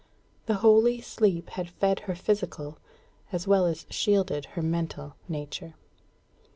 The holy sleep had fed her physical as well as shielded her mental nature.